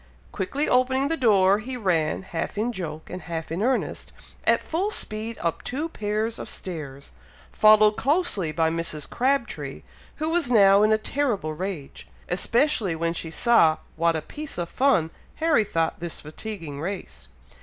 Quickly opening the door, he ran, half in joke and half in earnest, at full speed up two pairs of stairs, followed closely by Mrs. Crabtree, who was now in a terrible rage, especially when she saw what a piece of fun Harry thought this fatiguing race.